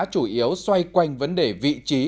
chủ yếu xoay quanh vấn đề vị trí